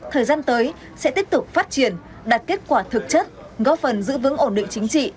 thời gian tới sẽ tiếp tục phát triển đạt kết quả thực chất góp phần giữ vững ổn định chính trị